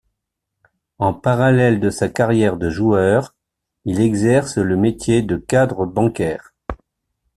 En parallèle de sa carrière de joueur, il exerce le métier de cadre bancaire.